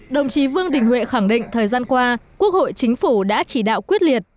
đồng chí vương đình huệ khẳng định thời gian qua quốc hội chính phủ đã chỉ đạo quyết liệt